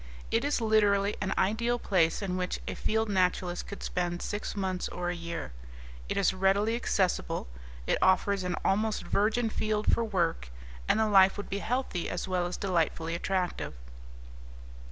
It is literally an ideal place in which a field naturalist could spend six months or a year. It is readily accessible, it offers an almost virgin field for work, and the life would be healthy as well as delightfully attractive.